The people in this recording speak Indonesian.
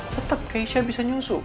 tetep keisha bisa nyusup